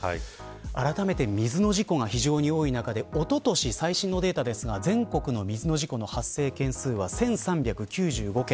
あらためて水の事故が非常に多い中でおととしの最新のデータですが全国の水の事故の発生件数は１３９５件。